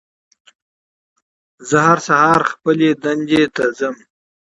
زه هر سهار خپلې دندې ته ځم